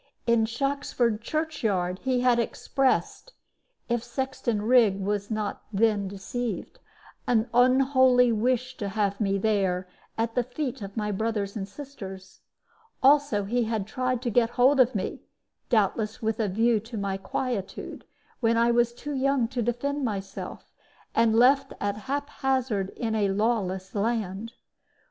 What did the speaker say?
In Shoxford church yard he had expressed (if Sexton Rigg was not then deceived) an unholy wish to have me there, at the feet of my brothers and sisters. Also he had tried to get hold of me doubtless with a view to my quietude when I was too young to defend myself, and left at haphazard in a lawless land.